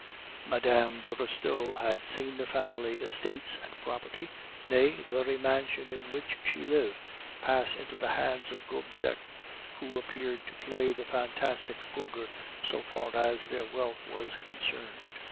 "Mme. de Restaud had seen the family estates and property, nay, the very mansion in which she lived, pass into the hands of Gobseck, who appeared to play the fantastic ogre so far as their wealth was concerned.